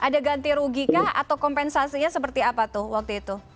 ada ganti rugi kah atau kompensasinya seperti apa tuh waktu itu